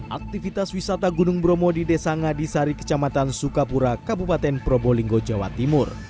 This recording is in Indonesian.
aktivitas wisata gunung bromo di desa ngadisari kecamatan sukapura kabupaten probolinggo jawa timur